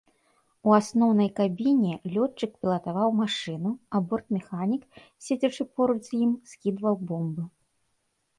У асноўнай кабіне лётчык пілатаваў машыну, а бортмеханік, седзячы поруч з ім, скідваў бомбы.